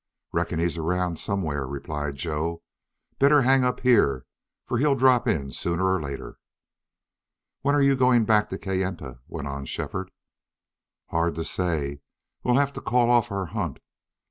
"Reckon he's around somewhere," replied Joe. "Better hang up here, for he'll drop in sooner or later." "When are you going back to Kayenta?" went on Shefford. "Hard to say. We'll have to call off our hunt.